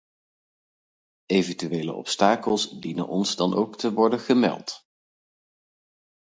Eventuele obstakels dienen ons dan ook te worden gemeld.